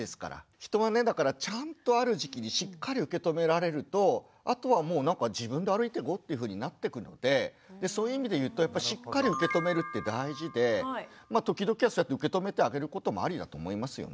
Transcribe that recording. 人はねだからちゃんとある時期にしっかり受け止められるとあとはもうなんか自分で歩いていこうっていうふうになってくのでそういう意味でいうとやっぱしっかり受け止めるって大事で時々はそうやって受け止めてあげることもありだと思いますよね。